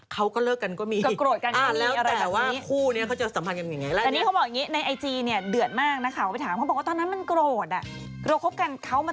เขาก็เลิกกันก็มีแล้วแต่ว่าคู่นี้เขาจะสัมพันธ์กันอย่างไรแล้วนี้ก็โกรธกันอย่างนี้อะไรแบบนี้